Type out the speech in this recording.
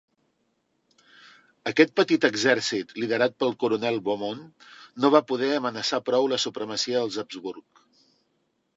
Aquest petit exèrcit, liderat pel coronel Beaumont, no va poder amenaçar prou la supremacia dels Habsburg.